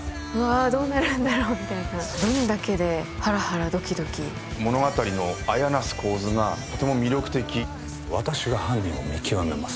あどうなるんだろうみたいな見るだけでハラハラドキドキ物語のあやなす構図がとても魅力的私が犯人を見極めます